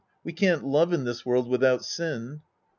We can't love in this world without sin.